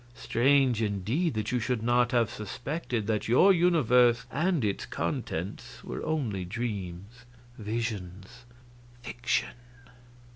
Strange, indeed, that you should not have suspected that your universe and its contents were only dreams, visions, fiction!